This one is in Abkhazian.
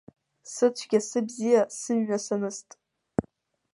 Сыцәгьа-сыбзиа, сымҩа саныст.